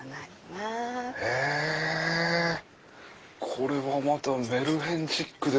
これはまたメルヘンチック。